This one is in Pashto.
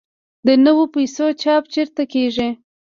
د نویو پیسو چاپ چیرته کیږي؟